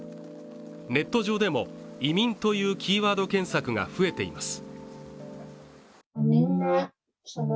ネット上でも「移民」というキーワード検索が増えています